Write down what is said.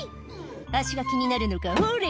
足が気になるのか、ほーれ。